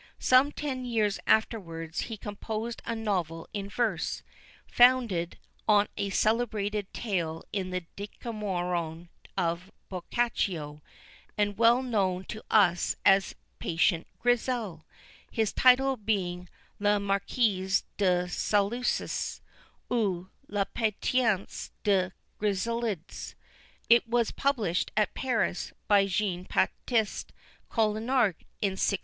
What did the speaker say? Some ten years afterwards he composed a novel in verse, founded on a celebrated tale in the Decamerone of Boccaccio, and well known to us as Patient Grizzel, his title being La Marquise de Salusses; ou, la Patience de Griselidis. It was published at Paris, by Jean Baptiste Coignard, in 1691.